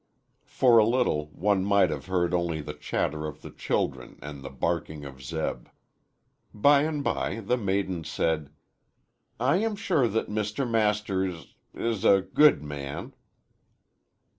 For a little, one might have heard only the chatter of the children and the barking of Zeb. By and by the maiden said, "I am sure that Mr. Master is is a good man."